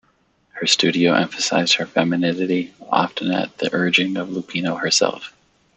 Her studio emphasized her femininity, often at the urging of Lupino herself.